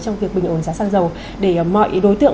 trong việc bình ổn giá xăng dầu để mọi đối tượng